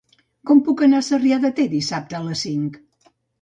Com puc anar a Sarrià de Ter dissabte a les cinc?